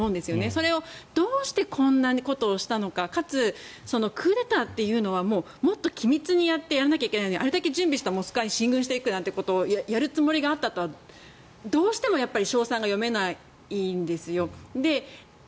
それをどうしてこんなことをしたのかかつ、クーデターというのはもっと機密にやらなきゃいけないのにあれだけ準備したモスクワに進軍していくなんてことをやるつもりがあったとはどうしても勝算が読めないんですよ。